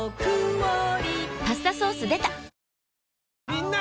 みんな！